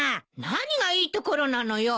何がいいところなのよ？